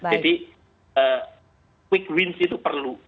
jadi quick win itu perlu